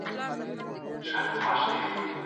عبدالعزيز د ميرويس خان نيکه سره څه خپلوي لرله؟